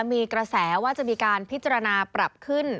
มีกระแสว่าจะมีการพิจารณาปรับขึ้น